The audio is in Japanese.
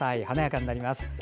華やかになります。